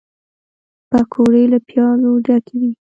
پکورې له پیازو ډکې وي